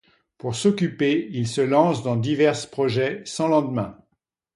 Pour s’occuper, il se lance dans divers projets sans lendemain.